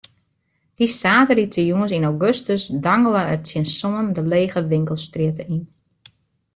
Dy saterdeitejûns yn augustus dangele er tsjin sânen de lege winkelstrjitte yn.